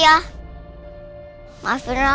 saat apa lahthree birdy one